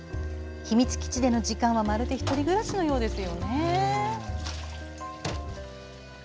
秘密基地での時間はまるで１人暮らしのようですよね。